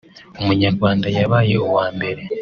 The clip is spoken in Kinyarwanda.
Umunyarwanda yabaye uwa mbere